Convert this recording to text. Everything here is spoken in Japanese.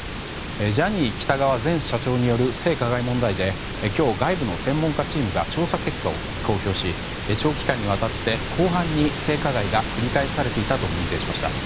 ジャニー喜多川前社長による性加害問題で今日、外部の専門家チームが調査結果を公表し長期間にわたって広範に性加害が繰り返されていたと認定しました。